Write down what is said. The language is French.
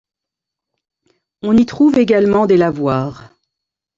On y trouve également des lavoirs.